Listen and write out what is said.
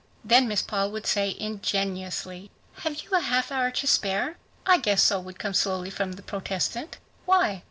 Then Miss Paul would say ingenuously, "Have you a half hour to spare?" "I guess so," would come slowly from the protestant. "Why?"